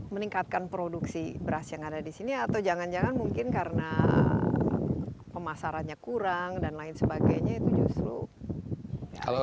meningkatkan produksi beras yang ada di sini atau jangan jangan mungkin karena pemasarannya kurang dan lain sebagainya itu justru